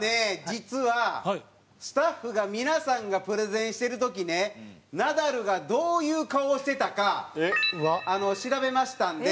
実はスタッフが皆さんがプレゼンしてる時ねナダルがどういう顔をしてたか調べましたんで。